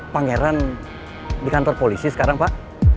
pangeran di kantor polisi sekarang pak